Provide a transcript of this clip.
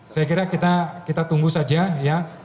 saya kira kita tunggu saja ya